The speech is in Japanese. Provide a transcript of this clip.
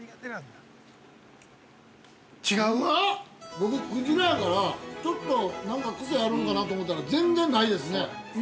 ◆僕、くじらやからちょっとなんか癖あるんかなと思ったら、全然ないですね。